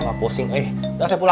nanti kita ke sana